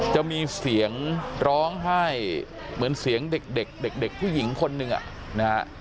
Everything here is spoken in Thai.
จะมีเสียงร้องไห้เหมือนเสียงเด็กเด็กผู้หญิงคนหนึ่งนะฮะ